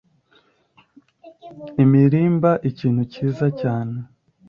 imirimba ikintu kiza cyane